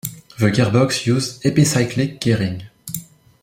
The gearbox used epicyclic gearing.